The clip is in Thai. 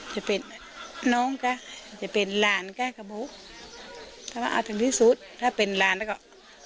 จะเป็นน้องกะจะเป็นหลานกะจะมองทุกคนแล้ว